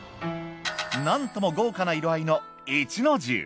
なんとも豪華な色合いの壱の重。